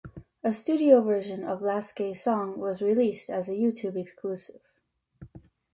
A studio version of "Last Gay Song" was released as a YouTube exclusive.